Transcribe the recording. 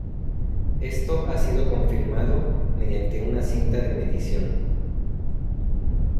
Esto ha sido confirmado mediante una cinta de medición.